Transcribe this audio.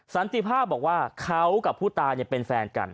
สันติภาพบอกว่าเขากับผู้ตายเป็นแฟนกัน